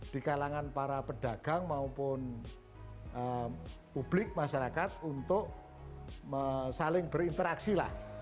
di kalangan para pedagang maupun publik masyarakat untuk saling berinteraksi lah